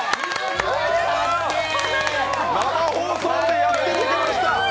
生放送でやってのけました！